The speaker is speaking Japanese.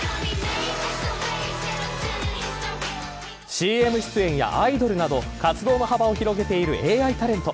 ＣＭ出演やアイドルなど活動の幅を広げているＡＩタレント。